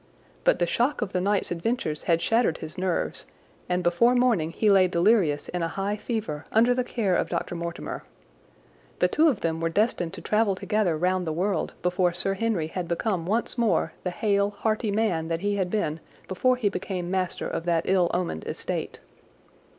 But the shock of the night's adventures had shattered his nerves, and before morning he lay delirious in a high fever under the care of Dr. Mortimer. The two of them were destined to travel together round the world before Sir Henry had become once more the hale, hearty man that he had been before he became master of that ill omened estate.